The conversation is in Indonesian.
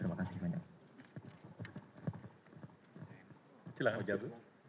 terima kasih banyak